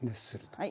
はい。